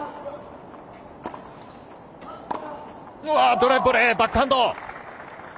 ドライブボレーバックハンド。